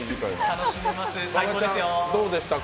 楽しめますね。